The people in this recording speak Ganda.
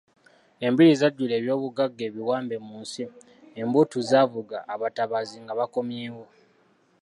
"Embiri zajjula eby'obugagga ebiwambe mu nsi, embuutu zaavuga abatabaazi nga bakomyewo."